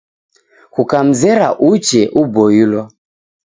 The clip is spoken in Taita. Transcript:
Kukamzera uchee uboilwa.